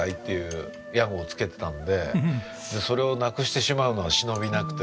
それをなくしてしまうのは忍びなくて。